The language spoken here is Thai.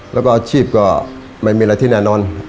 แล้วก็อาชีพก็ไม่มีอะไรที่แน่นอน